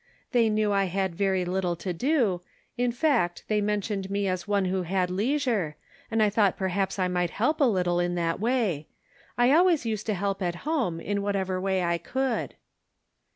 " They knew I had very little to do ; in fact, they mentioned me as one who had leisure, and I thought perhaps I might help a little in that way ; I always used to help at* home, in whatever way I could."